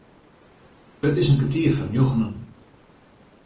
It is in kertier foar njoggenen.